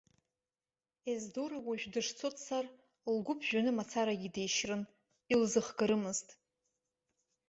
Ездора уажәы дышцо дцар, лгәы ԥжәаны мацарагьы дишьрын, илзыхгарымызт.